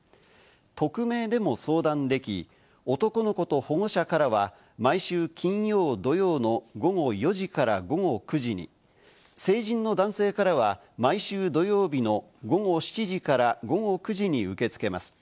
匿名でも相談でき、男の子と保護者からは毎週金曜土曜の午後４時から午後９時に、成人の男性からは毎週土曜日の午後７時から午後９時に受け付けます。